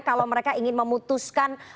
kalau mereka ingin memutuskan